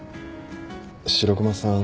白熊さん